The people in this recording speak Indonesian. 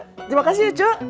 terima kasih ya cuk